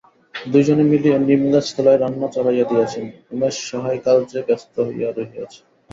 দুই জনে মিলিয়া নিমগাছ-তলায় রান্না চড়াইয়া দিয়াছেন, উমেশ সহায়কার্যে ব্যস্ত হইয়া রহিয়াছে।